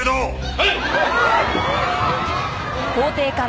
はい！